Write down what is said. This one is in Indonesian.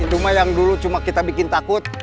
ini cuma yang dulu kita bikin takut